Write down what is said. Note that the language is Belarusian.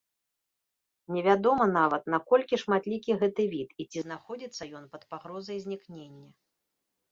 Невядома нават, наколькі шматлікі гэты від, і ці знаходзіцца ён пад пагрозай знікнення.